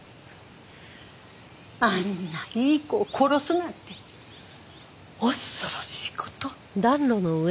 あんないい子を殺すなんて恐ろしいこと。